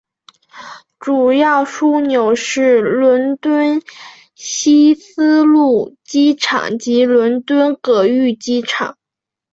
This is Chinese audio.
主要枢纽是伦敦希斯路机场及伦敦格域机场。